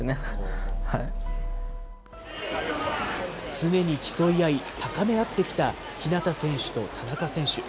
常に競い合い、高め合ってきた日向選手と田中選手。